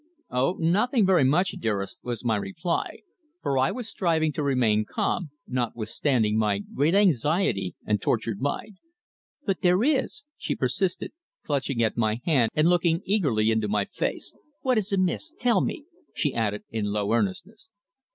"Oh! nothing very much, dearest," was my reply, for I was striving to remain calm, not withstanding my great anxiety and tortured mind. "But there is," she persisted, clutching at my hand and looking eagerly into my face. "What is amiss? Tell me," she added, in low earnestness.